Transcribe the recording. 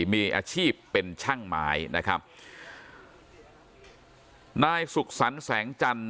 มีอาชีพเป็นช่างไม้นะครับนายสุขสรรค์แสงจันทร์